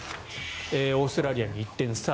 オーストラリアに１点差